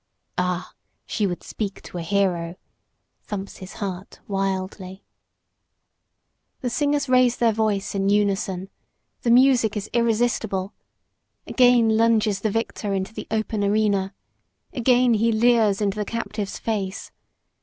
"Ah, she would speak to a hero!" thumps his heart wildly. The singers raise their voices in unison. The music is irresistible. Again lunges the victor into the open arena. Again he leers into the captive's face.